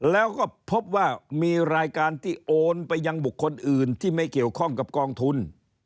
แล้วก็พบว่ามีรายการที่โอนไปยังบุคคลอื่นที่ไม่เกี่ยวข้องกับกองทุน